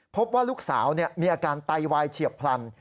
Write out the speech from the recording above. พบว่าลูกสาวมีอาการไตวายเฉียบพลัน